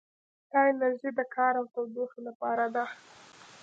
دا انرژي د کار او تودوخې لپاره ده.